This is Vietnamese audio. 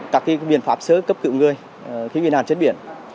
các cái biện pháp sớ cấp cựu ngươi khi ghiền hạn chết biển